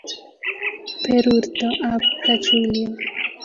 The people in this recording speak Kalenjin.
Berurto ab kachulio